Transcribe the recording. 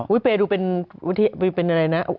อุ๊ยเปรย์ดูเป็นอะไรนะ